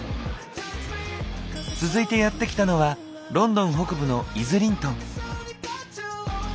続いてやって来たのはロンドン北部のイズリントン。